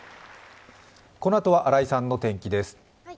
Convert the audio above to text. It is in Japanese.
このあとは新井さんの天気です。